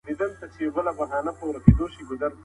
زه هره ورځ د سبا لپاره د نوټونو ليکل کوم.